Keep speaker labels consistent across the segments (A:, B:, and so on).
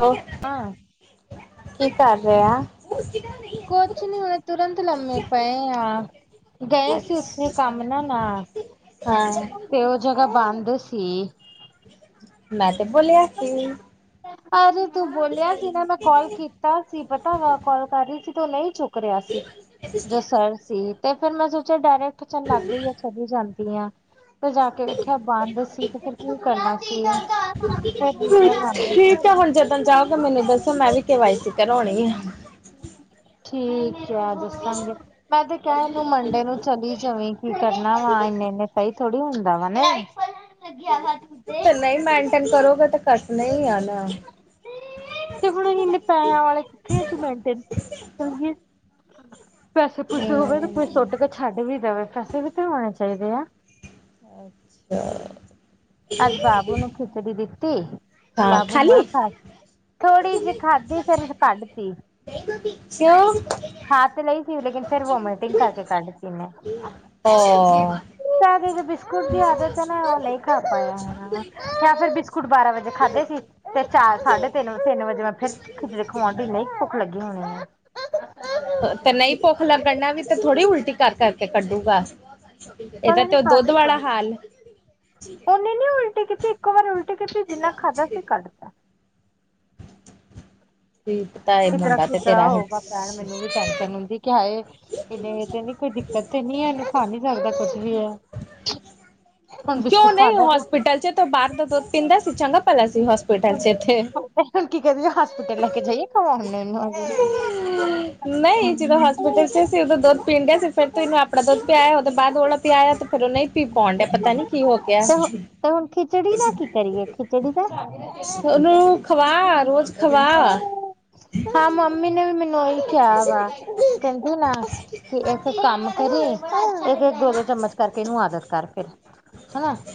A: ਹੋ
B: [unintelligible]
A: ਕੀ ਕਰ ਰਿਆ। ਉਹ ਉਸ ਕੀ ਤਰ੍ਹਾਂ ਨੀ [inaudible]
B: ਕੁਛ ਨ ਉਨੇ ਤੁਰੰਤ ਲੰਮੀ ਪਏ ਆਂ। ਗਏ ਸੀ ਉੱਥੇ ਕੰਮ ਨਾਲ ਆ
A: ਹਾਂ
B: ਤੇ ਜ੍ਹਗਾ ਬੰਦ ਸੀ।
A: ਮੈਂ ਤੇ ਬੋਲਿਆ ਸੀ।
B: ਅਜ ਤੂੰ ਬੋਲਿਆ ਸੀ ਨਾ ਮੈਂ ਕਾਲ ਕੀਤਾ ਸੀ ਪਤਾ ਵਾ ਕਾਲ ਕਰ ਰਹੀ ਸੀ। ਤੋਂ ਨਹੀਂ ਚੁੱਕ ਰਿਹਾ ਸੀ ਜੋ ਸਰ ਸੀ ਤੇ ਫੇਰ ਮੈਂ ਸੋਚਿਆ ਡਾਇਰੈਕਟ ਚੱਲ ਲਾਗੇ ਆ ਚਲੀ ਜਾਂਦੀ ਆ ਤੇ ਜਾ ਕੇ ਵੇਖਿਆ ਬੰਦ ਸੀ ਤੇ ਫਿਰ ਕਿ ਕਰਨਾ ਸੀ।
A: ਠੀਕ ਹੈ ਹੁਣ ਜੱਦਣ ਜਾਓਗੇ ਮੈਨੂੰ ਦੱਸੋ ਮੈਂ ਵੀ, ਕੇ ਵਾਈ ਸੀ ਕਰਾਉਣੀ ਆ।
B: ਠੀਕ ਹੈ ਦੱਸਾਂਗੇ ਮੈਂ ਤੇ ਕਹਿ ਤੂੰ ਮੰਡੇ ਨੂੰ ਚਲੀ ਜਾਵੀ। ਕੀ ਕਰਨਾ ਵਾ ਇੰਨੇ ਇਨੇ ਸਹੀ ਥੋੜ੍ਹੀ ਹੁੰਦਾ ਵਾ ਨਾ
A: ਤੇ ਨਹੀਂ ਮੇਨਟੇਨ ਕਰੋਗਾ ਤੇ ਕਟਣੇ ਹੀ ਆ ਨਾ
B: ਤੇ ਹੁਣ [unintelligible] ਹਾਂਜੀ, ਪੈਸੇ ਪੂਸੇ ਹੋਵੇ ਤਾਂ ਕੋਈ ਸੁੱਟ ਕੇ ਛੱਡ ਵੀ ਦੇਵੇ ਪੈਸੇ ਵੀ ਤਾਂ ਹੋਣੇ ਚਾਹੀਦੇ ਆ।
A: ਅੱਛਾ,
B: ਅੱਜ ਬਾਬੂ ਨੂੰ ਖਿਚੜੀ ਦਿੱਤੀ
A: ਹਾਂ
B: ਬਾਬੂ ਨਈ
A: ਖਾਲੀ
B: ਖਾ ਥੋੜ੍ਹੀ ਜਿਹੀ ਖਾਧੀ ਫੇਰ ਕੱਢ ਤੀ ਖਾ ਤੇ ਲਈ ਸੀ ਲੇਕਿਨ ਫਿਰ ਵੋਮੀਟਿੰਗ ਕਰਕੇ ਕੱਢਤੀ ਓਨੇ ਬਿਸਕੁਟ ਦੀ ਆਦਤ ਐ ਨਾ ਉਹ ਨਈ ਖਾਦਾ ਜਾਦਾ ਜਾ ਫਿਰ ਬੁ ਹੁਣ ਬਾਰਾਂ ਵਜੇ ਖਾਧੇ ਸੀ। ਤੇ ਚਾਰ ਸਾਢੇ ਤਿੰਨ ਵੇ ਤਿੰਨ ਵਜੇ ਮੈਂ ਫਿਰ ਖਿਜੜੀ ਖਵਾਣ ਦੀ ਇੰਨੀ ਭੁੱਖ ਲੱਗੀ ਹੋਣੀ ਆ।
A: ਤੇ ਨਈ ਭੁੱਖ ਲੱਗਣਾ ਨਾਲ ਵੀ ਤੇ ਥੋੜ੍ਹੀ ਉਲਟੀ ਕਰ ਕਰਕੇ ਕੱਢੂਗਾ। ਇਹਦਾ
B: ਪਤਾ ਨੀ
A: ਤੇ ਉਹ ਦੁੱਧ
B: ਕੱਢ ਤੇ
A: ਵਾਲਾ ਹਾਲ
B: ਉਹਨੇ ਨੀ ਉਲਟੀ ਕੀਤੀ ਇੱਕ ਵਾਰ ਉਲਟੀ ਕੀਤੀ ਜਿੰਨਾ ਖਾਧਾ ਸੀ ਕੱਢ
A: ਕੀ ਪਤਾ ਏ
B: ਇਤਰਾ
A: ਮੁੰਡਾ
B: ਕਿਤਰਾ
A: ਤੇਰਾ
B: ਹੋਊਗਾ
A: [unintelligible]
B: ਭੈਣ ਮੈਨੂੰ ਵੀ ਟੈਂਸ਼ਨ ਹੁੰਦੀ, ਕਿ ਹਾਏ ਇਨੇ ਤੇ ਨੀ ਕੋਈ ਦਿੱਕਤ ਤਾਂ ਨੀ ਇਹਨੂੰ ਖਾ ਨੀ ਸਕਦਾ ਕੁੱਝ ਵੀ ਏ
A: ਕਿਉਂ ਨਈ
B: ਤੇ
A: ਹੋਸਪਿਟਲ ਚ ਤੂੰ ਬਾਰ ਦਾ ਪੀਂਦਾ ਸੀ ਚੰਗਾ ਭਲਾ ਸੀ ਹੋਸਪਿਟਲ ਚ ਇੱਥੇ
B: ਤੇ ਹੁਣ ਕੀ ਕਹਦੇ ਹੋਸਪਿਟਲ ਲੈ ਕੇ ਜਾਈਏ [unintelligible] ਹੂੰ।
A: ਉਦੋਂ ਦੱਸਿਆ ਸੀ ਉਦੋ ਦੁੱਧ ਪੀਂਦਾ ਸੀ ਫਿਰ ਤੂੰ ਇਹਨੂੰ ਆਪਣਾ ਦੁੱਧ ਪਿਆਇਆ ਉਹਦੇ ਬਾਦ ਵਾਲਾ ਪਿਆਇਆ ਤੇ ਫਿਰ ਨੀ [unintelligible] ਡਿਆ ਪਤਾ ਨੀ ਕੀ ਹੋ ਗਿਆ।
B: ਤੇ ਤੇ ਹੁਣ ਖਿਚੜੀ ਦਾ ਕੀ ਕਰੀਏ ਖਿਚੜੀ ਦਾ
A: [unintelligible] ਉਹਨੂੰ ਖਵਾ ਰੋਜ਼ ਖਵਾ
B: ਹਾਂ ਮੰਮੀ ਨੇ ਵੀ ਮੈਨੂੰ ਉਹ ਈ ਕਿਹਾ ਵਾਹ ਕਹਿੰਦੀ ਨਾ ਇਕ ਕੰਮ ਕਰੇ ਇਹ ਤੇ ਦੋ ਦੋ ਚਮਚ ਕਰਕੇ ਇਹਨੂੰ ਆਦਤ ਕਰ ਫਿਰ [unintelligible]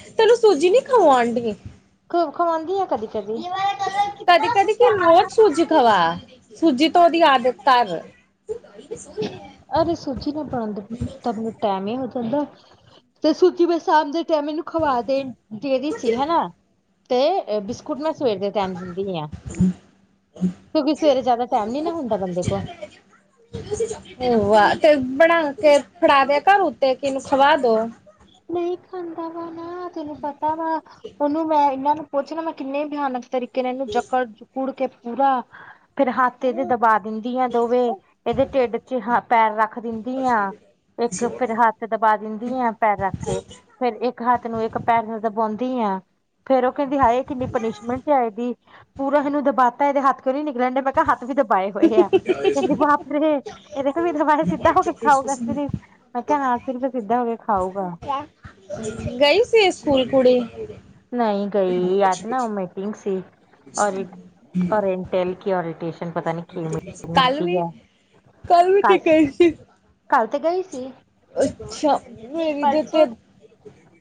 A: ਖਵਾਣ ਡੀ ਐ।
B: ਖ ਖਵਾਂਦੀ ਆ ਕਦੀ ਕਦੀ,
A: ਕਦੀ ਕਦੀ ਕਿ ਰੋਜ਼ ਸੂਜੀ ਖਵਾ, ਸੂਜੀ ਤਾਂ ਉਹਦੀ ਆਦਤ ਤਰ
B: ਅਰੇ ਸੂਜੀ ਨਾ ਬਣਾਦੇ, ਤਾਂ ਮੈਨੂੰ ਟੈਮ ਨੀ ਲੱਗਣ ਡਿਆ। ਤੇ ਸੂਜੀ ਬਸ ਸ਼ਾਮ ਦੇ ਟਾਈਮ ਇਹਨੂੰ ਖਵਾ ਦੇਣ, ਦੇਣੀ ਸੀ ਹਨਾ ਤੇ ਬਿਸ ਕੁੱਟ ਨਾ ਸਵੇਰ ਦੇ ਟਾਈਮ ਦਿੰਦੀ ਆ, ਕਿਉਂਕਿ ਸਵੇਰੇ ਜ਼ਿਆਦਾ ਟਾਈਮ ਨੀ ਨਾ ਹੁੰਦਾ ਬੰਦੇ ਕੋਲ
A: ਏ ਵਾ ਤੇ ਬਣਾ ਕੇ ਫੜਾ ਦਿਆ ਕਰ ਉੱਤੇ ਕੀ ਨੂੰ ਖਵਾ ਦੋ।
B: ਨਈ ਖਾਂਦਾ ਵਾ ਨਾ ਤੈਨੂੰ ਪਤਾ ਵਾ। ਉਹਨੂੰ ਮੈਂ ਇਹਨਾਂ ਨੂੰ ਪੁੱਛਣਾ ਮੈਂ ਕਿੰਨੇ ਬਿਆਨਕ ਤਰੀਕੇ ਕੇ ਇਹਨੂੰ ਜੱਕੜ ਜੁਕੜ ਕੇ ਪੂਰਾ, ਫਿਰ ਹੱਥ ਇਹ ਦੇ ਦਬਾ ਦਿੰਦੀ ਆ ਦੋਵੇਂ, ਇਹਦੇ ਢਿੱਡ ਚ ਪੈਰ ਰੱਖ ਦਿੰ ਦੀ ਆਂ, ਇੱਕ ਫਿਰ ਹੱਥ ਦਬਾ ਦਿੰਦੀ ਆਂ ਪੈਰ ਰੱਖ ਕੇ। ਫਿਰ ਇੱਕ ਹੱਥ ਨੂੰ ਇੱਕ ਪੈਰ ਦਬਾਉਂਦੀ ਆ। ਫੇਰ ਉਹ ਕਹਿੰਦੀ ਹਾਏ ਕਿੰਨੀ ਪਨੀਿਸ਼ਮੈਂਟ ਆਏਗੀ, ਪੂਰਾ ਇਹਨੂੰ ਦਬਾਤਾ ਇਹਦੇ ਹੱਥ ਕਿਉਂ ਨੀ ਨਿਕਲਣ ਡੇ ਮੈਂ ਕਿਹਾ ਹੱ ਵੀ ਦਬਾਏ ਹੋਏ ਆ, ਕਹਿੰਦੀ ਬਾਪ ਰੇ, ਇਹਦੇ ਤੋ ਬਿਨ ਦਬਾਏ ਸਿੱਧਾ ਹੋ ਕੇ ਖਾਓਗਾ। ਮੈਂ ਕਿਹਾ ਹਾ ਸਿਰਫ ਸਿੱਧਾ ਹੋ ਕੇ ਖਾਊਗਾ।
A: ਗਈ ਸੀ ਸਕੂਲ ਕੁੜੀ?
B: ਨਈ ਗਈ ਅੱਜ ਨਾ ਉਹ ਮੀਟਿੰਗ ਸੀ, ਔਰ ਔਰਿੰਟਿਲ ਕੀ ਔਰਿਟੇਸ਼ਨ
A: ਕੱਲ ਵੀ, ਕੱਲ ਵੀ ਤੇ ਗਈ ਸੀ।
B: ਕੱਲ 'ਤੇ ਗਏ ਸੀ।
A: ਅੱਛਾ ਮੇਰੀ ਦੇ ਤੇ
B: ਪਰਸੋਂ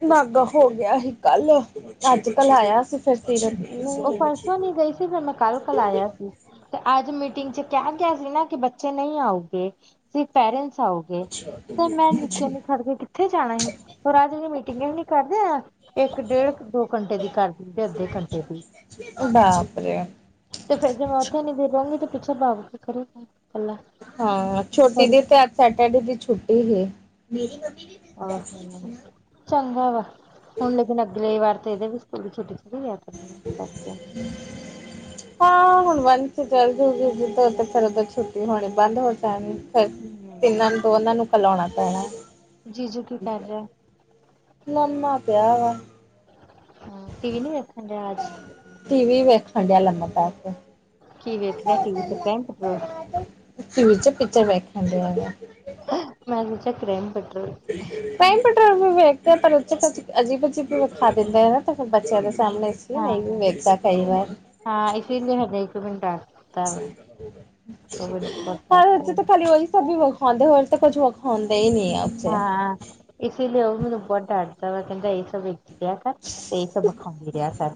A: ਨਾਗਾ ਹੋ ਗਿਆ ਸੀ ਕੱਲ, ਅੱਜ ਤਾਂ ਲਾਇਆ ਸੀ ਫੇਰ ਸੀਰਤ
B: ਉਹ
A: ਨੂੰ।
B: ਪਰਸੋਂ ਨਹੀਂ ਗਈ ਸੀ ਫਿਰ ਮੈਂ ਕੱਲ ਕੱਲ ਆਇਆ ਸੀ 'ਤੇ ਅੱਜ ਮੀਟਿੰਗ 'ਚ ਕੇਆ ਗਿਆ ਸੀ ਨਾ ਕਿ ਬੱਚੇ ਨਈ ਆਉਗੇ ਸਿਰਪ ਪੇਰੈਂਸ ਆਉ ਗੇ 'ਤੇ ਮੈਂ ਨੀਚੇ ਨੂੰ ਖੜਗੇ ਕਿੱਥੇ ਜਾਣਾ ਹੀ ਓ ਰਾਜ ਵੀ ਮੀਟਿੰਗ ਏ ਨੀ ਕਰਦੇ ਆ। ਇੱਕ ਡੇਢ ਕ ਦੋ ਘੰਟੇ ਦੀ ਕਰ ਦਿੰਦੇ ਆ ਅੱਧੇ ਘੰਟੇ ਦੀ।
A: ਓ ਬਾਪ ਰੇ।
B: ਤੇ ਫੇਰ ਜੇ ਮੈਂ ਉੱਥੇ ਨੀ ਗਿਰਾਗੀ ਤੇ ਪਿੱਛੇ ਭਾਗ ਕੇ ਕਰੂਗਾ।
A: ਹਾਂ ਛੋਟੀ ਦੀ ਤੇ ਅੱਜ ਸੈਟਰਡੇ ਦੀ ਛੁੱਟੀ ਵੇ।
B: ਆਹ, ਚੰਗਾ ਵਾ ਹੁਣ ਲੇਕਿਨ ਅਗਲੇ ਵਾਰ 'ਤੇ ਏਦੇ ਵੀ ਸਕੂਲ ਛੁੱਟੀ ਥੋੜੀ ਆ। ਕਰਨੀ ਆ
A: [inaudible] ਹਾਂ ਹੁਣ ਵਨ 'ਚ ਚੱਲ ਜੂਗੀ ਉਦੋਂ ਤੇ ਫੇਰ ਚਲੋ ਤਾਂ ਛੁੱਟੀ ਹੋਣੀ ਬੰਦ ਹੋ ਜਾਣੀ। ਫੇਰ
B: ਹੂੰ
A: ਤਿੰਨਾਂ ਨੂੰ, ਦੋਨਾਂ ਨੂੰ ਖਲੋਨਾ ਪੈਣਾ।
B: ਜੀਜੂ ਕੀ ਕਰ ਰਿਹਾ
A: ਲੰਮਾ ਪਿਆ ਗਾ‌।
B: ਹਾਂ ਟੀ ਵੀ ਨੀ ਵੇਖਣ ਡੇਆ ਅੱਜ।
A: ਟੀ ਵੀ ਵੇਖਣ ਡੇਆ ਲੰਮਾਂ ਪੈ ਕੇ।
B: ਕੀ ਵੇਖ ਰੇਆ ਟੀ ਵੀ 'ਤੇ ਕ੍ਰਾਈਮ ਪੈਟਰੋਲ?
A: ਟੀ ਵੀ 'ਚ ਪਿਕਚਰ ਵੇਖਣ ਡੇਆ ਵਾ।
B: ਮੈਂ ਸੋਚਿਆ ਕ੍ਰਾਈਮ ਪੈਟਰੋਲ।
A: ਕ੍ਰਾਈਮ ਪੈਟਰੋਲ ਵੀ ਵੇਖ ਦੇ ਪਰ ਓਦੇ ਚ ਅਜੀਬ-ਅਜੀਬ ਵੀ ਵਿਖਾ ਦਿੰਦੇ ਆ ਨਾ ਤਾਂ ਫਿਰ ਬੱਚਿਆਂ ਦੇ ਸਾਹਮਣੇ ਇਸ
B: ਹਾਂ
A: ਨਈ ਵੀ ਵੇਖਦਾ ਕਈ ਵਾਰ।
B: ਹਾਂ ਇਸੀ ਲੀ ਹੋ ਗਿਆ ਇਕ ਘੰਟਾ। ਬਹੁਤ
A: ਪਰ ਓ 'ਚ
B: ਡਾਂਟਦਾ
A: ਤਾਂ ਭਲੀ ਉਈ ਸਭ ਈ ਵਿਖਾਂਦੇ ਹੋਣ ਤਾਂ ਕੁੱਝ ਵਿਖਾਂਦੇ ਈ ਨੀ ਆ। ਚ
B: ਹਾਂ ਇਸੀ ਲਈ ਓ ਮੈਨੂੰ ਬੋ ਡਰ ਦਾ ਵਾ ਕੈਂਦਾ ਏ ਸਭ ਏਥੇ ਰੇਆ ਕਰ 'ਤੇ ਏ ਸਭ ਵਿਖਾਂਦੀ ਰੇਆ ਕਰ,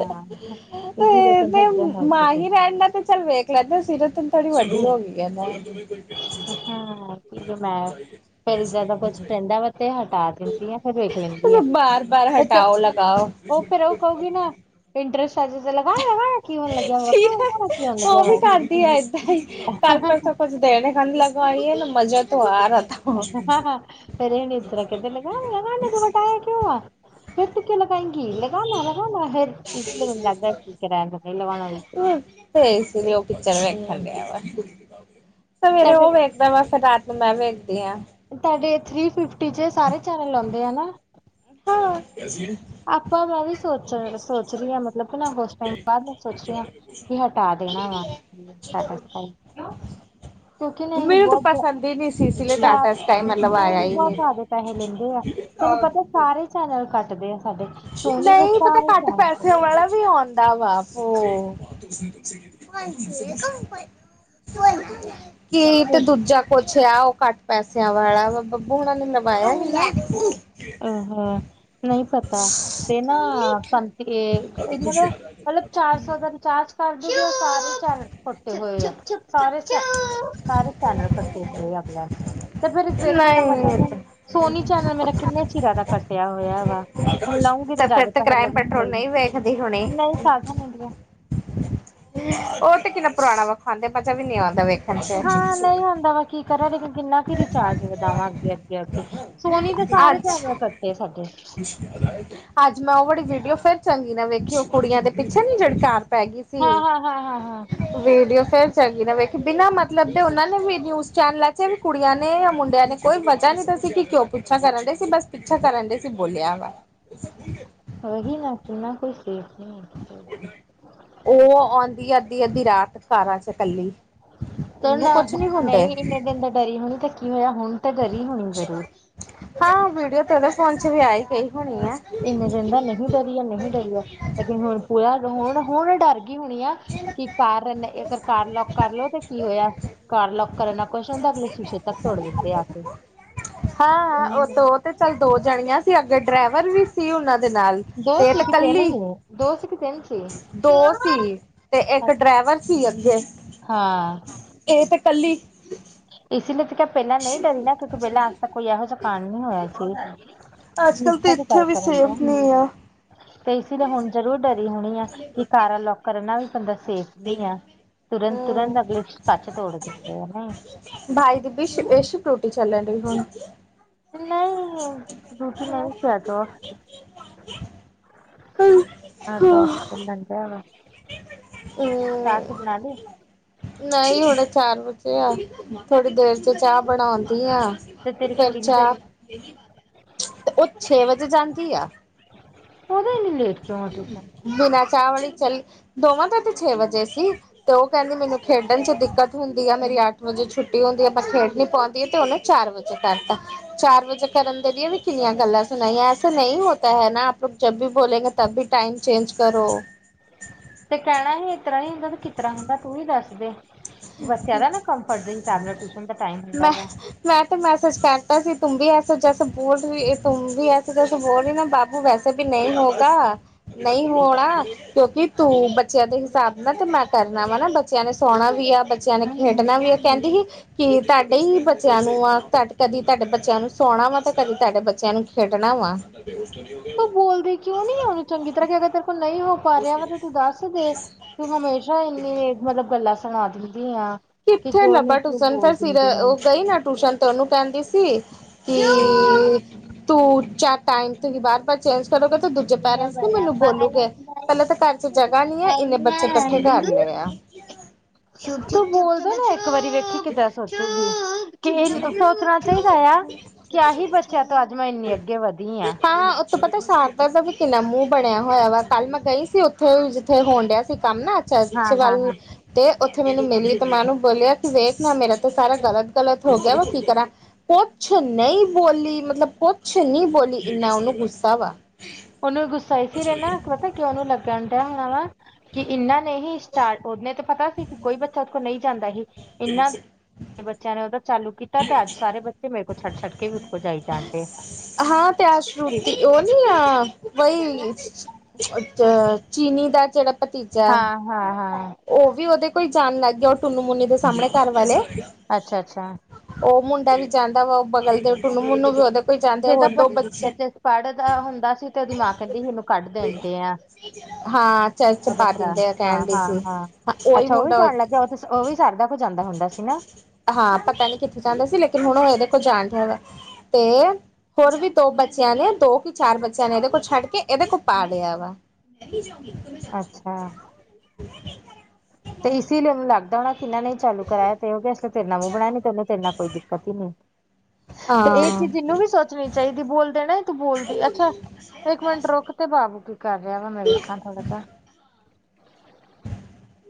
B: ਹਾਂ। ਇਸ
A: ਤੇ
B: ਲਈ ਕਹਿੰਦਾ
A: ਏਦਾ
B: ਏਦਾਂ ਨਾ ਵੇਖਿਆ
A: ਮਾਂ
B: ਕਰ।
A: ਹੀ ਰੈਂਨ ਦਾ 'ਤੇ ਚੱਲ ਵੇ ਕੈਂਦੇ ਸੀਰਤ ਨ ਤੋਡੀ ਵੱਡੀ ਹੋ ਗਈ ਆ ਮੈਂ
B: ਹਾਂ ਕਿਉਂਕਿ ਮੈਂ ਫੇਰ ਜਿਅਦਾ ਕੁੱਝ ਕੈਂਦਾ ਵਾ 'ਤੇ ਹਟਾ ਦਿੰਦੀ ਆ। ਫੇਰ ਵੇਖ ਲੈਂਦੀ ਆ ਓਤੋਂ ਓ ਫੇਰ ਓ ਕਉਗੀ ਨਾ ਇੰਨਟਰਸ ਟਜ ਜਾ ਲਗਾ ਵਾ ਕਿ ਹੋਣ ਲੱਗਿਆ ਵਾ ਖਾਉ-ਖਾਉ ਕਿ ਹੋਣ ਲੱਗਿਆ ਵਾ।
A: ਤੇ ਏਨੇ ਠੰਡ ਲਗਾਈਏ ਏਨੂੰ ਮਜ਼ਾ ਤੋਂ ਆ ਰਾ ਥਾ।
B: ਫੇਰ ਏਨੇ ਇਤਰਾ ਕੈਂਦੇ ਲਗਾ-ਲਗਾ ਲਗਵਟਾਇਆ ਕਿਉਂ ਆ। ਫਿਰ ਤੂੰ ਕਿਉ ਲਗਾਏਗੀ ਲਗਾਲਾ-ਲਗਾਲਾ ਫੇਰ। ਇਸ ਨੂੰ ਉਝ ਲੱਗਦਾ ਕੀ
A: ਤੇ ਇਸ ਲਈ ਓ ਪਿਕਚਰ ਵੇਖਣ ਡੇਆ ਵਾ, ਸਵੇਰੇ
B: ਤੁਹਾਡੇ
A: ਓ ਵੇ ਦਾ ਵਾ ਫੇਰ ਰਾਤ ਨੂੰ ਮੈਂ ਵੇਖਦੀ ਆ।
B: ਤੁਹਾਡੇ ਥਰੀ ਫਿਫਟੀ 'ਚ ਸਾਰੇ ਚੈਨਲ ਆਉਂਦੇ ਐ ਨਾ।
A: ਹਾਂ।
B: ਆਪਾਂ ਰਾ ਵੀ ਸੋਚਰ ਸੋਚ ਰੀਆ ਮਤਲਬ ਕਿ ਨਾ ਉਸ ਟਾਈਮ ਬਾਅਦ ਮੈਂ ਸੋਚ ਰੀਆ ਕਿ ਹਟਾ ਦੇਣਾ ਵਾ। ਕੀਆ ਟਾਟਾ ਸਕਾਈ। ਕਿਉਂਕਿ ਨਈ ਨੀ ਬੋ ਜ਼, ਜਾ ਨਈ ਬੋ ਜਿਆਦੇ ਪੈਹੇ ਮਿਲਦੇ ਆ ਤੈਨੂੰ ਪਤਾ ਸਾਰੇ ਚੈਨਲ ਕੱਟਦੇ ਆ। ਸਾਡੇ ਸੋਨੀ ਦੇ ਸਾਰੇ ਚੈਨਲ ਘਟ ਗਏ।
A: ਕੀ ਆਉਂਦਾ ਵਾ ਓ। ਕੀ ਤੇ ਦੂਜਾ। ਅੱਛਾ ਓ ਘੱਟ ਪੈਸਿਆਂ ਵਾਲਾ ਵ ਬੱਬੂ ਹੋਨਾ ਨੇ ਲਵਾਇਆ ਨੀ ਐ।
B: ਓ ਹੋ ਨਹੀਂ ਪਤਾ ਤੇ ਨਾ [unintelligible] ਚਾਰ ਸੌ ਦਾ ਰਿਚਾਰਜ ਕਰਦੀ ਉਹ ਸਾਰੇ ਚੈਨਲ ਕਟੇ ਹੋਏ ਆ, ਸਾਰੇ। ਸਾਰੇ ਚੈਨਲ ਕੱਟੇ ਹੋਏ ਅਗਲਿਆਂ ਨੇ। ਤੇ ਫੇਰ ਵੇਖਣ ਦਾ ਮਜ਼ਾ
A: ਨਹੀਂ
B: ਨਾ ਸੋਨੀ ਚੈਨਲ ਮੇਰਾ ਕਿੰਨੇ ਚਿਰਾ ਦਾ ਕੱਟਿਆ ਹੋਇਆ ਵਾ। ਹੁਣ ਲਊਗੀ ਤੇ
A: ਫਿਰ
B: ਜਿਆਦਾ ਪੈਸੇ
A: ਕ੍ਰਾਈਮ
B: ਲੱਗਣ ਗੇ
A: ਪੈਟਰੋਲ
B: ਈ
A: ਨਹੀਂ ਵੇਖਦੀ ਹੋਣੀ।
B: ਨਹੀਂ ਸਾਧਨ ਨੀ -
A: ਉਹ ਤੇ ਕਿੰਨਾ ਪੁਰਾਣਾ ਵਾ ਖਾਂਦੇ ਮਜਾ ਵੀ ਨੀ ਆਦਾ ਵੇਖਣ। ਚ।
B: ਹਾਂ ਨਹੀਂ ਹੁੰਦਾ ਵਾ ਕੀ ਕਰਾਂ ਲੇਕਿਨ ਕਿੰਨਾ ਕੁ ਰਿਚਾਰਜ ਵਧਾਵਾਂ ਅੱਗੇ, ਅੱਗੇ -ਅੱਗੇ। ਸੋਨੀ ਤੇ ਸਾਰੇ
A: ਅੱਜ
B: ਚੈਨਲ ਕੱਟੇ ਸਾਡੇ।
A: ਅੱਜ ਮੈਂ ਉਹ ਵਾਲੀ ਵੀਡੀਓ ਫੇਰ ਚੰਗੀ ਨਾ ਵੇਖੀ ਉਹ ਕੁੜੀਆਂ ਦੇ ਪਿੱਛੇ ਨੀ ਜਿਹੜੀ ਕਾਰ ਪੈ ਗਈ ਸੀ।
B: ਹਾਂ- ਹਾਂ, ਹਾਂ- ਹਾਂ, ਹਾਂ।
A: ਵੀਡੀਓ ਫੇਰ ਚੰਗੀ ਨਾ ਵੇਖ ਬਿਨਾਂ ਮਤਲੱਬ ਦੇ ਉਹਨਾਂ ਨੇ ਵੀ ਨਿਊਜ਼ ਚੈਨਲਾਂ ਚ ਵੀ। ਕੁੜੀਆਂ ਨੇ ਜਾਂ ਮੁੰਡਿਆਂ ਨੇ ਕੋਈ ਵਜਾ ਨੀ ਨਹੀਂ ਦੱਸੀ ਕਿ ਕਿਉਂ ਪੁੱਛਾ ਕਰਨ ਡੇ ਸੀ ਬਸ। ਪਿੱਛਾ ਕਰਨ ਡੇ ਸੀ ਬੋਲਿਆ ਵਾ।
B: ਓਹੀ ਨਾ ਕਿੰਨਾ ਕੋਈ ਸੇਫ ਨਹੀਂ ਐ, ਐਥੇ।
A: ਓਹ ਆਉਂਦੀ ਆ ਅੱਧੀ- ਅੱਧੀ ਰਾਤ ਕਾਰਾਂ ਚ ਕੱਲੀ।
B: ਤੇ ਨਾ ਨਹੀਂ ਇੰਨੇ ਦਿਨ ਤਾ ਡਰੀ ਹੋਣੀ ਥਾ ਕੀ ਹੋਇਆ, ਹੁਣ ਤਾਂ ਡਰੀ ਹੋਣੀ ਜ਼ਰੂਰ।
A: ਹਾਂ ਵੀਡੀਓ ਟੈਲੀਫੋਨ ਚ ਵੀ ਆਈ ਗਈ ਹੋਣੀ ਐ।
B: ਇੰਨੇ ਦਿਨ ਦਾ ਨਹੀਂ ਡਰੀ ਆ- ਨਹੀਂ ਡਰੀ ਆ ਲੇਕਿਨ ਹੁਣ ਪੂਰਾ ਹੁਣ- ਹੁਣ ਡਰ ਗਈ ਹੋਣੀ ਆ। ਕੀ ਕਾਰ ਅਗਰ ਕਾਰ ਲੋਕ ਕਰ ਲੋ ਤੇ ਕੀ ਹੋਇਆ। ਕਾਰ ਲੌਕ ਕਰ ਨਾਲ ਨੀ ਕੁਛ ਹੁੰਦਾ ਅਗਲੇ ਸ਼ੀਸ਼ੇ ਤੱਕ ਤੋੜ ਦਿੰਦੇ ਆ ਕੇ।
A: ਹਾਂ- ਹਾਂ ਉਹ
B: ਹਮ
A: ਦੋ ਤੇ ਚੱਲ ਦੋ ਜਾਣੀਆਂ ਸੀ ਅੱਗੇ ਡਰਾਈਵਰ ਵੀ ਸੀ ਉਹਨਾਂ ਦੇ ਨਾਲ।
B: ਦੋ
A: ਤੇ
B: ਸੀ
A: ਤੇ
B: ਕਿਸੇ ਨੇ
A: ਕੱਲੀ
B: ਹੋਏਆ। ਦੋ ਸੀ ਕਿ ਤਿੰਨ ਸੀਗੇ।
A: ਦੋ ਸੀ ਤੇ ਇੱਕ ਡਰਾਈਵਰ ਸੀ ਅੱਗੇ
B: ਹਾਂ।
A: ਇਹ ਤਾਂ ਕੱਲੀ।
B: ਇਸ ਲਈ ਤੇ ਕੇਹਾ ਪਹਿਲਾਂ ਨਹੀਂ ਡਰੀ ਨਾ ਕਿਉਂਕਿ ਪਹਿਲਾਂ ਅੱਜ ਤੱਕ ਕੋਈ ਇਹੋ ਜਾ ਕਾਡ ਨੀ ਹੋਇਆ ਸੀ।
A: ਅੱਜ ਕੱਲ ਤੇ
B: ਨੀਸ਼ਾ ਦੀ ਗੱਲ
A: ਇੱਥੇ ਵੀ
B: ਕਰਨ ਡੇਆ।
A: ਸੇਫ ਨਹੀਂ ਆ।
B: ਤੇ ਇਸ ਲਈ ਹੁਣ ਜ਼ਰੂਰ ਡਰੀ ਹੋਣੀ ਆ ਕਿ ਕਾਰਾ ਲੌਕ ਕਰਨ ਨਾਲ ਬੰਦਾ ਸੇਫ ਨੀ ਆ ਤੁਰੰਤ- ਤੁਰੰਤ ਅਗਲੇ ਕੱਚ ਤੋੜ ਦਿੰਦੇ ਆ ਨਾ।
A: ਬਾਏ ਦੀ ਵਿਸ਼ ਐ ਸਕੂਟੀ ਚੱਲਣ ਡਹੀ ਆ ਹੁਣ।
B: ਨਹੀਂ-ਨਹੀਂ ਰੂਟੀ ਤੋਂ ਵ [unintelligible] ਵ [unintelligible] ਵਨ ਜਾਏਗਾ
A: ਓਹ ਨਹੀ ਹੁਣੇ ਚਾਰ ਵੱਜੇ ਆ, ਥੋੜੀ ਦੇਰ ਚ ਚਾਹ ਬਣਾਉਂਦੀ ਆ।
B: ਤੇ ਤੇਰੀ
A: ਫੇਰ
B: ਕੁੜੀ ਨੂੰ ਤੇ
A: ਚਾਹ, ਓ ਛੇ ਵਜੇ ਜਾਂਦੀ ਆ।
B: ਉਹਦੀ ਐਨੀ ਲੇਟ ਕਿਉਂ ਹੈ ਟਿਊਸ਼ਨ।
A: ਬਿਨਾਂ ਚਾਹ ਵਾਲੀ ਚਲ ਦੋਵਾਂ ਦਾ ਤੇ ਛੇ ਵਜੇ ਸੀ। ਤੇ ਉਹ ਕਹਿੰਦੀ ਮੈਨੂੰ ਖੇਡਣ ਚ ਢਿੱਕਤ ਹੁੰਦੀ ਆ ਮੇਰੀ ਅੱਠ ਵਜੇ ਛੁੱਟੀ ਹੁੰਦੀ ਆ ਬੱਸ ਖੇਡ ਨੀ ਪਾਉਂਦੀ ਆ ਤੇ ਹੁੰਨ। ਚਾਰ ਵਜੇ ਕਰਤਾ। ਚਾਰ ਵਜੇ ਕਰਨ ਦੇ ਲਏ ਵੀ ਕਿੰਨੀਆਂ ਗੱਲਾਂ ਸੁਣਾਈਆਂ ਐਸਾ ਨਹੀਂ ਹੋਤਾ ਹੈ ਨਾ ਆਪ ਜੱਬ ਵੀ ਬੋਲੋਗੇ, ਤੱਬ ਵੀ ਟਾਈਮ ਚੇਂਜ ਕਰੋ।
B: ਤੇ ਕਹਿਣਾ ਹੀ ਏਤਰ੍ਹਾ ਨੀ ਹੁੰਦਾ ਤੇ ਕਿਤਰ੍ਹਾ ਹੁੰਦਾ ਤੂੰ ਹੀ ਦੱਸ ਦੇ। ਬੱਚਿਆਂ ਦਾ ਨਾ ਕੰਫਰਟ ਦੇ ਹਿਸਾਬ ਨਾਲ ਟਿਊਸ਼ਨ ਦਾ ਟਾਈਮ
A: ਮੈਂ
B: ਹੁੰਦਾ ਵਾ।
A: ਮੈਂ ਤੇ ਮੈਸੇਜ ਕਰਤਾ ਸੀ, ਤੁਮ ਬੀ ਐਸੇ ਜੈਸੇ ਬੋਲ ਰਹੀ ਤੁਮ ਬੀ ਜੈਸੇ ਬੋਲ ਰਹੀ ਨਾ ਬਾਬੂ ਵੈਸੇ ਕਭੀ ਨਹੀਂ ਹੈਗਾ ਨਹੀਂ ਹੋਣਾ, ਕਿਉਂਕਿ ਤੂੰ ਬੱਚਿਆਂ ਦੇ ਹਿਸਾਬ ਨਾਲ ਤੇ ਮੈਂ ਕਰਨਾ ਵਾ ਨਾ ਬੱਚਿਆਂ ਨੇ ਸੋਣਾ ਵੀ ਆ ਬੱਚਿਆਂ ਨੇ
B: ਹੂੰ
A: ਖੇਡਣਾ ਵੀ ਹੈ
B: ਹੂੰ।
A: ਕਹਿੰਦੀ ਹੀ ਕਿ ਤੁਹਾਡੇ ਹੀ ਬੱਚਿਆਂ ਨੂੰ ਆ ਤੇ ਕਦੀ ਤੁਹਾਡੇ ਬੱਚਿਆਂ ਨੂੰ ਸੌਣਾ ਵਾ ਤੇ ਕਦੀ ਤੁਹਾਡੇ ਬੱਚਿਆਂ ਨੂੰ ਖੇਡਣਾ ਵਾ। ਤੁਹਾਡੇ ਫੇਰ ਉਹ ਸਟੱਡੀ ਹੋ ਗਿਆ ਵੋ।
B: ਬੋਲਦੇ ਕਿਉਂ ਨਹੀਂ ਓਨੂੰ ਚੰਗੀ ਤਰ੍ਹਾਂ ਕਿ ਅਗਰ ਤੇਰੇ ਕੋਲ ਨਹੀਂ ਹੋ ਰਿਆ ਵਾ ਤੇ ਤੂੰ ਦੱਸ ਦੇ, ਤੂੰ ਹਮੇਸ਼ਾ ਇੰਨੀ ਮਤਲਬ ਗੱਲਾਂ ਸੁਣਾ ਦਿੰਦੀ ਆ। ਕਿ
A: ਕਿੱਥੇ
B: ਜੋ ਨੀ
A: ਲੱਭਾ
B: ਤੂੰ
A: ਟੂਸ਼ਨ, ਫਿਰ
B: ਬੋਲ
A: ਸਿਰ
B: ਦਿੰਦੀ ਆ।
A: ਉਹ ਗਈ ਨਾ ਟੂਸ਼ਨ ਤੇ ਓਨੂੰ ਕਹਿੰਦੀ ਸੀ ਕੀ, ਤੂੰ ਚਾ ਟਾਈਮ ਤੇ ਹੀ ਬਾਰ ਭੱਜ। ਚੇਂਜ ਕਰੋਗੇ ਤੇ ਦੂਜੇ ਨੇ ਪੈਰਸਟ ਮੈਨੂੰ ਬੋਲੂਗੇ, ਪਹਿਲਾਂ ਤਾਂ ਘਰ ਚ ਜਗਾ ਨੀ ਐ ਇੰਨੇ ਬੱਚੇ ਕੱਠੇ ਕਰਲੇ ਆ।
B: ਸ਼ੁੱਭ- ਸ਼ੁੱਭ ਬੋਲਦੇ ਨਾ ਇੱਕ ਵਾਰੀ, ਵੇਖੀ ਕਿੱਦਾਂ ਸੋਚੂਗੀ। ਕਿ ਐ ਸੋਚਣਾ ਚਾਹੀਦਾ ਆ, ਕਿ ਐਹੀ ਬੱਚਿਆਂ ਤੋਂ ਅੱਜ ਮੈਂ ਇੰਨੀ ਅੱਗੇ ਵਧੀ ਆ।
A: ਓਤੋਂ ਪਤਾ ਸ਼ਾਰਦ ਸਾਹਿਬ ਕਿੰਨਾ ਮੂੰਹ ਬਣਿਆ ਹੋਇਆ ਵਾ, ਕੱਲ੍ਹ ਮੈਂ ਗਈ ਸੀ ਉੱਥੇ, ਜਿੱਥੇ ਹੋਣ ਡਿਆ ਸੀ ਕੰਮ ਨਾ।
B: ਹਾਂ
A: ਚਾਚੇ
B: ਹਾਂ ਹਾਂ
A: ਵੱਲ ਤੇ ਉੱਥੇ ਮੈਨੂੰ ਮਿਲੀ ਤੇ ਮੈਂ ਓਨੂੰ ਬੋਲਿਆਂ ਕਿ ਵੇਖ ਨਾ ਮੇਰਾ ਤੂੰ ਸਾਰਾ ਗਲ ਗਲਤ ਹੋ ਗਿਆ ਵਾ, ਕੀ ਕਰਾ? ਕੁੱਛ ਨਹੀਂ ਬੋਲੀ, ਮਤਲਬ ਕੁੱਛ ਨਹੀਂ ਬੋਲੀ, ਇੰਨ੍ਹਾਂ ਉਹਨੂੰ ਗੁੱਸਾ ਵਾ।
B: ਓਨੂੰ ਗੁੱਸਾ ਐ ਹੀ ਸੀ ਰਹਿਣਾ ਪਤਾ ਕਿ ਉਹਨੂੰ ਲੱਗਣ ਡਿਆ ਵਾ ਹੋਣਾ ਵਾਂ ਕਿ ਇਨ੍ਹਾਂ ਨੇ ਹੀ ਸਟਾਰਟ, ਓਨੇ ਤੇ ਪਤਾ ਸੀ ਕਿ ਕੋਈ ਬੱਚਾ ਓਦੇ ਕੋਲ ਨਹੀਂ ਜਾਂਦਾ ਸੀ। ਇੰਨ੍ਹਾਂ, ਬੱਚਿਆਂ ਨੇ ਉਹਦਾ ਚਾਲੂ ਕੀਤਾ ਤੇ ਅੱਜ ਸਾਰੇ ਬੱਚੇ ਮੇਰੇ ਕੋਲ ਛੱਡ -ਛੱਡ ਕਿ ਓਦੋਂ ਕੋ ਜਾਈ ਜਾਣ ਡਏ ਆ।
A: ਓ ਨੀ ਆ ਵਹੀ, ਓਚ ਚੀਨੀ ਦਾ ਜਿਹੜਾ ਭਤੀ
B: ਹਾਂ, ਹਾਂ, ਹਾਂ
A: ਉਹ ਵੀ ਉਹਦੇ ਕੋਈ ਜਾਣ ਲੱਗ ਗਿਆ, ਉਹ ਟੁੰਨੂ- ਮੁਨੂੰ ਦੇ ਸਾਹਮਣੇ ਘਰ ਵਾਲੇ।
B: ਅੱਛਾ- ਅੱਛਾ।
A: ਓ ਮੁੰਡਾ ਵੀ ਜਾਂਦਾ ਵਾ, ਉਹ ਬਗਲ ਦੇ ਟੁੰਨੂੰ- ਮਨੂੰ ਵੀ ਓਦੇ ਕੋ ਜਾਂਦੇ,
B: ਜਿਹਦਾ
A: ਹੋਰ ਦੋ
B: ਬੱਚਾ
A: ਬੱਚੇ
B: ਚ ਪੜ੍ਹਦਾ ਹੁੰਦਾ ਸੀ ਤੇ ਉਹਦੀ ਮਾਂ ਕਹਿੰਦੀ ਇਹਨੂੰ ਕੱਢ ਦੇਣ ਦਏ ਆ।
A: ਹਾਂ ਚਰਚ ਚ
B: ਉਦਾਂ
A: ਪਾ
B: ਭਰਾ।
A: ਦਿੰਦੇ ਆ ਕਹਿਣ
B: ਹਾਂ,
A: ਦੀ
B: ਹਾਂ,
A: ਸੀ
B: ਹਾਂ
A: ਉਹੀ
B: ਅੱਛਾ ਉਹ ਵੀ
A: ਮੁੰਡਾ
B: ਜਾਣ ਲੱਗ ਗਿਆ, ਉਹ -ਉਹ ਵੀ ਸ਼ਾਰਦਾ ਕੋਲ ਜਾਂਦਾ ਹੁੰਦਾ ਸੀ ਨਾ।
A: ਹਾਂ, ਪਤਾ ਨੀ ਕਿੱਥੇ ਜਾਂਦੇ ਸੀ ਲੇਕਿਨ, ਹੁਣ ਏਦੇ ਕੋਲ ਜਾਣ ਦਿਆ ਵਾ ਤੇ ਹੋਰ ਵੀ ਦੋ ਬੱਚਿਆਂ ਨੇ, ਦੋ ਕਿ ਚਾਰ ਬੱਚਿਆਂ ਨੇਏਦੇ ਕੋਲ ਛੱਡ ਕੇ, ਏਦੇ ਕੋਲ ਪਾ ਲਿਆ ਵਾ। ਮੈਂ ਵੀ ਜਾਊਂਗੀ ਤੁਮਹੇ
B: ਅੱਛਾ! ਤੇ ਇਸ ਲਈ ਓਨੂੰ ਲੱਗਦਾ ਹੋਣਾ ਕਿ ਏਨਾ ਨੇ ਚਾਲੂ ਕਰਾਇਆ ਤੇ ਕਿਉੰਕਿ ਅਸੀਂ ਤੇ ਨਵਾਂ ਬਣਾਇਆ ਨੀ ਤੇ ਓਨੂੰ ਤੇਰੇ ਨਾ ਕੋਈ ਦਿੱਕਤ ਈ ਨੀ। ਤੇ ਇਹ
A: ਹਾਂ
B: ਚੀਜ਼ ਏਨੂੰ ਵੀ ਸੋਚਣੀ ਚਾਹੀਦੀ, ਬੋਲ ਦੇਣਾ ਤੂੰ ਬੋਲ ਦੇ ਅੱਛਾ। ਇੱਕ ਮਿੰਟ ਰੁਕ ਤੇ ਬਾਬੂ ਕੀ ਕਰ ਰਿਹਾ ਵਾ ਮੈਂ ਵੇਖਾਂ ਥੋੜ੍ਹਾ ਜਾ।